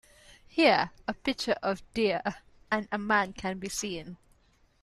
Here, a picture of a deer and a man can be seen.